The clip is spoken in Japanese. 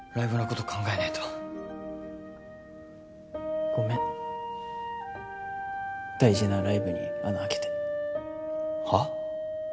こと考えないとごめん大事なライブに穴あけてはっ？